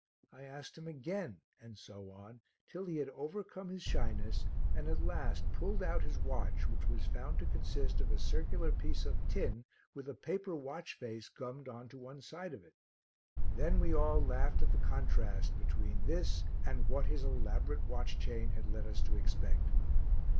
I asked him again and so on till he had overcome his shyness and at last pulled out his watch which was found to consist of a circular piece of tin with a paper watch face gummed on to one side of it. Then we all laughed at the contrast between this and what his elaborate watch chain had led us to expect.